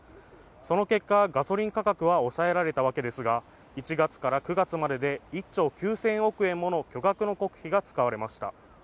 その結果ガソリン価格は抑えられたわけですが１月から９月までで１兆９０００億円もの巨額の国費が使われました